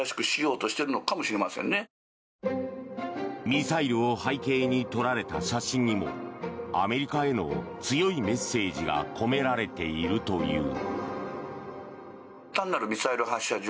ミサイルを背景に撮られた写真にもアメリカへの強いメッセージが込められているという。